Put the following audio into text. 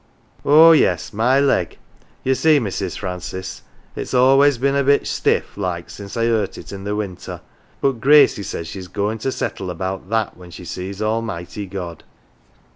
"Oh yes, my leg ye see, Mrs. Francis, it's always been a bit stiff' like since I hurt it in the winter ; but Gracie says she's goin' to settle about that when she sees Almighty God."